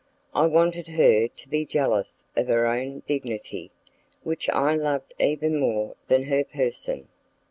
I wanted her to be jealous of her own dignity, which I loved even more than her person.